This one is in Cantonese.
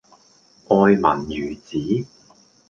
愛民如子